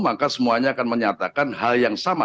maka semuanya akan menyatakan hal yang sama